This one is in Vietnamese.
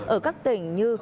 ở các tỉnh như